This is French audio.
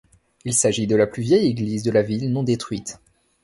Il s'agit de la plus vieille église de la ville non détruite.